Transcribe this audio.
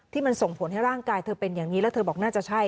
มันส่งผลให้ร่างกายเธอเป็นอย่างนี้แล้วเธอบอกน่าจะใช่